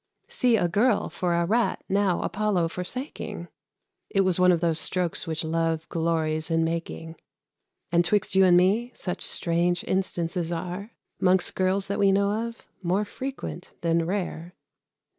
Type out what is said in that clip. See a Girl for a Rat now Apollo forsaking! It was one of those strokes which Love glories in making. And, 'twixt you and me, such strange instances are, 'Mongst girls that we know of, more frequent than rare.